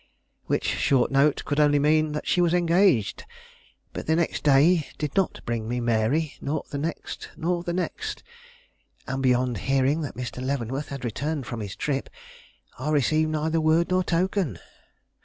Which short note could only mean that she was engaged. But the next day did not bring me my Mary, nor the next, nor the next; and beyond hearing that Mr. Leavenworth had returned from his trip I received neither word nor token.